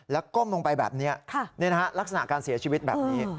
แล้วก้มลงไปแบบนี้ลักษณะการเสียชีวิตแบบนี้